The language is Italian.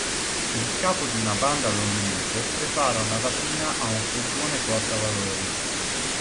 Il capo di una banda londinese prepara una rapina a un furgone portavalori.